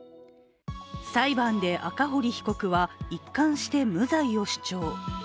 裁判で赤堀被告は、一貫して無罪を主張。